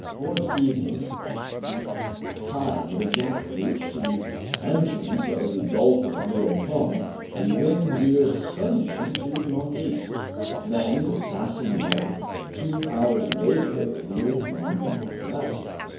Towards evening, at the time the junk reached the entrance of the Gulf of Leao Tong, the wind veered suddenly to the north east ; then, passing north, two hours later it blew from the north west.